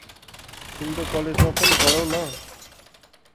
तिम्रो कलेजमा पनि गरौँ न ।